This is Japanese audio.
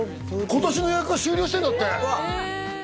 今年の予約は終了してるんだってうわっ！